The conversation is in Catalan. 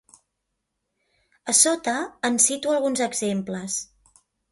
A sota, en cito alguns exemples.